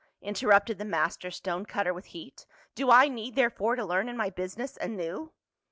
in'.errupted the master stone cutter with heat. " Do I need therefore to learn ni)' business anew?"